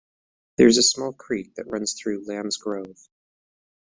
There is a small creek that runs though Lambs Grove.